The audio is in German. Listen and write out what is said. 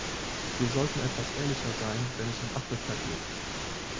Wir sollten etwas ehrlicher sein, wenn es um Afrika geht.